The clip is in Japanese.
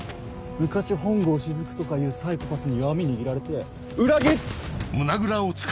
昔本郷雫とかいうサイコパスに弱み握られて裏切り。